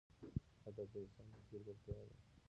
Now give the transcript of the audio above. ادب د انسان فکري لوړتیا ده.